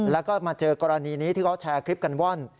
แล้วก็มาเจอกรณีนี้ที่เขาแชร์คลิปกันว่อน